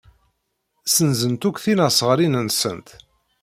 Ssenzent akk tisnasɣalin-nsent.